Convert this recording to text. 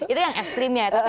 itu yang ekstrimnya